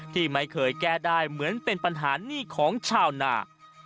ที่ไม่เคยแก้ได้เหมือนเป็นปัญหาหนี้ของชาวนา